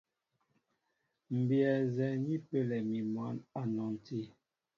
M̀ bíyɛ nzɛ́ɛ́ ni pəlɛ mi mwǎn a nɔnti.